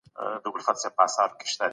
ډیپلوماسي د تفاهم یوازینۍ لار ده.